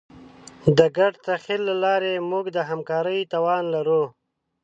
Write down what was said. د ګډ تخیل له لارې موږ د همکارۍ توان لرو.